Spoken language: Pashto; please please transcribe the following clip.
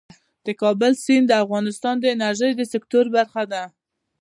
د کابل سیند د افغانستان د انرژۍ سکتور برخه ده.